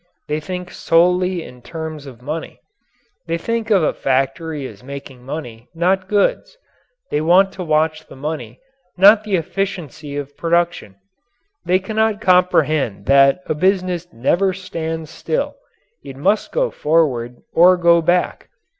They think solely in terms of money. They think of a factory as making money, not goods. They want to watch the money, not the efficiency of production. They cannot comprehend that a business never stands still, it must go forward or go back.